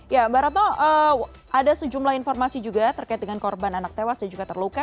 ya mbak ratno ada sejumlah informasi juga terkait dengan korban anak tewas dan juga terluka